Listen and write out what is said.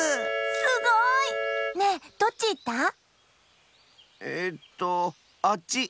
すごい！ねえどっちいった？ええっとあっち！